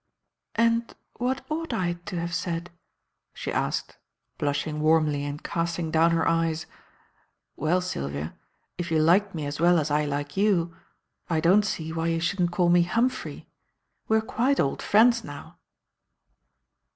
'" "And what ought I to have said?" she asked, blushing warmly and casting down her eyes. "Well, Sylvia, if you liked me as well as I like you, I don't see why you shouldn't call me Humphrey. We are quite old friends now."